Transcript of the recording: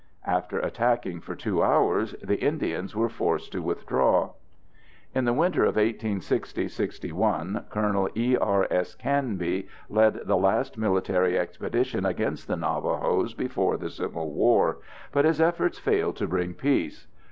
After attacking for two hours, the Indians were forced to withdraw. In the winter of 1860 61, Col. E. R. S. Canby led the last military expedition against the Navajos before the Civil War, but his efforts failed to bring peace.